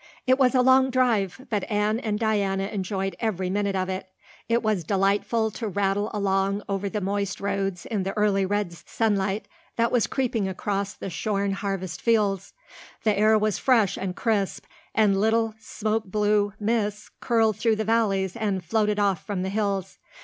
It was a long drive, but Anne and Diana enjoyed every minute of it. It was delightful to rattle along over the moist roads in the early red sunlight that was creeping across the shorn harvest fields. The air was fresh and crisp, and little smoke blue mists curled through the valleys and floated off from the hills.